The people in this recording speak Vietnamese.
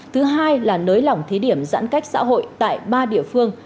thứ hai là nới lỏng thí điểm giãn cách xã hội tại ba địa phương